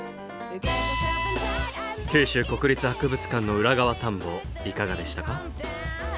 九州国立博物館の裏側探訪いかがでしたか？